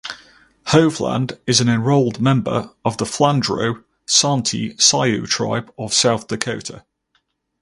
Hovland is an enrolled member of the Flandreau Santee Sioux Tribe of South Dakota.